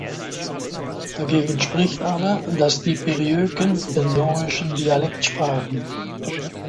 Dagegen spricht aber, dass die Periöken den dorischen Dialekt sprachen.